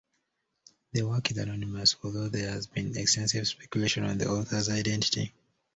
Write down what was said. The work is anonymous, although there has been extensive speculation on the author's identity.